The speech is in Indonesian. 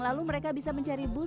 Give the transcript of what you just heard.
lalu mereka bisa mencari bus